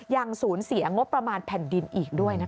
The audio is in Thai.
ยังสูญเสียงบประมาณแผ่นดินอีกด้วยนะคะ